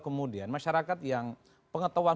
kemudian masyarakat yang pengetahuan